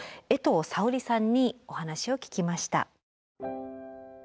江藤沙織さんにお話を聞きました。